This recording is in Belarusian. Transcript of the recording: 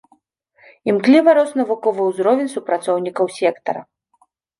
Імкліва рос навуковы ўзровень супрацоўнікаў сектара.